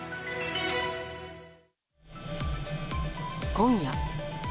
今夜。